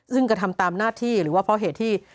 ซึ่งกระทำตามหน้าที่หรือว่าเพราะเหตุที่